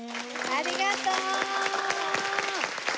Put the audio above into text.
ありがとう。